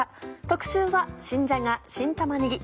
特集は「新じゃが・新玉ねぎ」。